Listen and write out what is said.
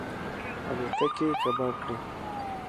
الوتکې یې کباړ کړې.